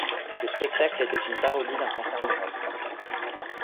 Le spectacle était une parodie d'un concert de rock.